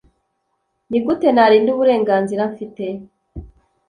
ni gute narinda uburenganzira mfite